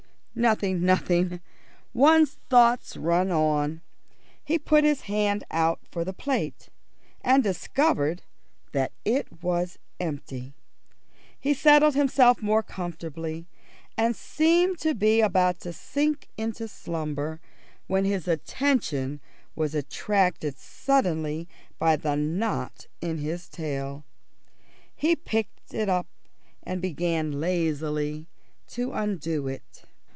"Nothing, nothing. One's thoughts run on." He put his hand out for the plate, and discovered that it was empty. He settled himself more comfortably, and seemed to be about to sink into slumber when his attention was attracted suddenly by the knot in his tail. He picked it up and began lazily to undo it.